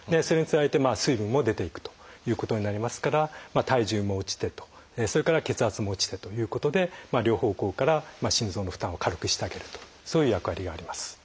それにつられて水分も出ていくということになりますから体重も落ちてとそれから血圧も落ちてということで両方向から心臓の負担を軽くしてあげるとそういう役割があります。